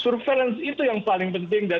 surveillance itu yang paling penting